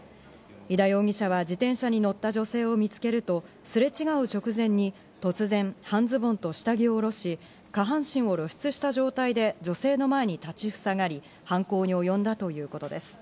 井田容疑者は自転車に乗った女性を見つけるとすれ違う直前に突然、半ズボンと下着を下ろし、下半身を露出した状態で女性の前に立ちふさがり、犯行におよんだということです。